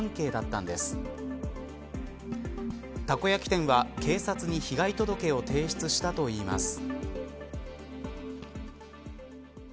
たこ焼き店は警察に被害届を提出したといいます。